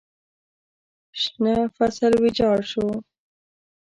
شنه فصل ویجاړ شو.